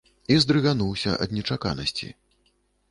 І здрыгануўся ад нечаканасці.